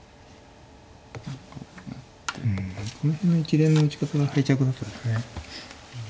この辺の一連の打ち方が敗着だったですかね。